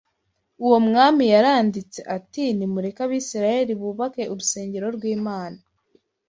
Uwo mwami yaranditse ati nimureke Abisirayeli bubake urusengero rw’Imana